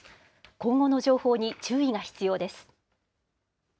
今後の情報に注意が必要です。